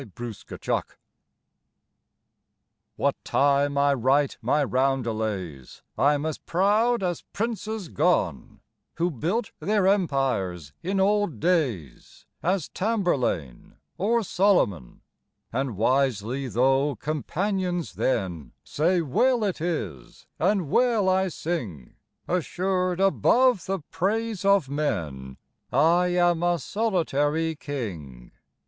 TREASON What time I write my roundelays, I am as proud as princes gone, Who built their empires in old days, As Tamburlaine or Solomon; And wisely though companions then Say well it is and well I sing, Assured above the praise of men I am a solitary king.